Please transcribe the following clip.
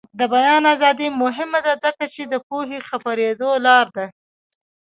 د بیان ازادي مهمه ده ځکه چې د پوهې خپریدو لاره ده.